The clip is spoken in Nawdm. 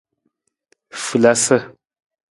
Falasa.